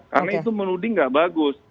karena itu menuding tidak bagus